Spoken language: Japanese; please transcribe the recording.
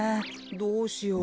どうしよう。